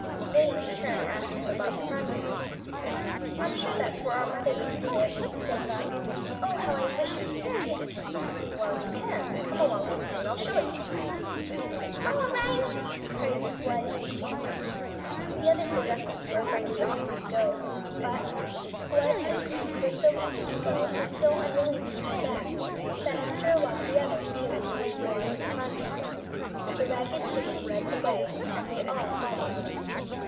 They, in turn, asked him about the farmyard. "I'm just sure that's where our mother used to live," said Buff. "Oh, how I wish we could see it." "Well, you can. Come along with me, and I'll show it to you." [Illustration: On and on ran the chicken, and on and on ran the ducklings] "All right," cried Squdge and Queek. The other four ducklings were afraid they oughtn't to go, but Squdge and Queek were so eager to, and so unwilling to turn back, that after a while the others, too, agreed to go on to the farmyard. The ragged chicken led the way, and they all followed.